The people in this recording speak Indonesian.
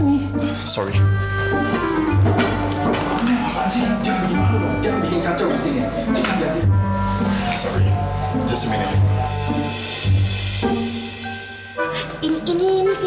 maaf saya sudah menjauh